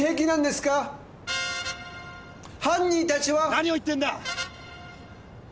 何を言ってんだ！